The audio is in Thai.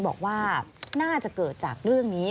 บอกว่าน่าจะเกิดจากเรื่องนี้